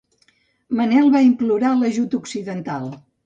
Manel va implorar l'ajut occidental.